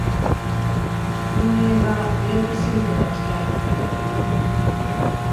運営がエアプすぎて泣きたい